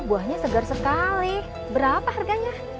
buahnya segar sekali berapa harganya